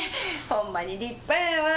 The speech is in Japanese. ほんまに立派やわ。